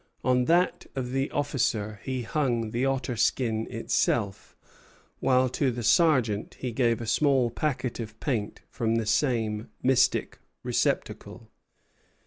On that of the officer he hung the otter skin itself; while to the sergeant he gave a small packet of paint from the same mystic receptacle.